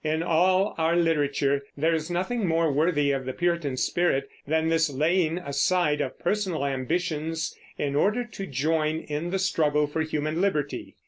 In all our literature there is nothing more worthy of the Puritan spirit than this laying aside of personal ambitions in order to join in the struggle for human liberty.